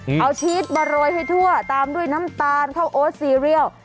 เอาชีสมาโรยให้ทั่วตามด้วยน้ำตาลข้าวโอ๊ตซีเรียล